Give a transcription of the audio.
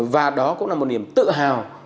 và đó cũng là một niềm tự hào